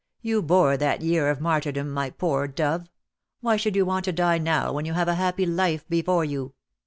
You bore that year of martyrdom, my poor dove. Why should you want to die now when you have a happy life before you?